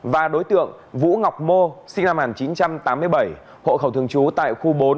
và đối tượng vũ ngọc mô sinh năm một nghìn chín trăm tám mươi bảy hộ khẩu thường trú tại khu bốn